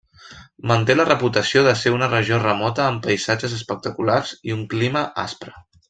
Manté la reputació de ser una regió remota amb paisatges espectaculars i un clima aspre.